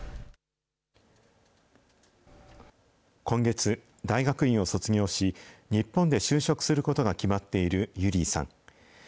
今月、大学院を卒業し、日本で就職することが決まっているユリーさん。